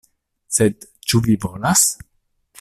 Sed ĉu vi volas?